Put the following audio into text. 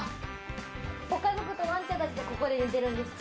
ご家族とワンちゃんたちでここで寝てるんですか？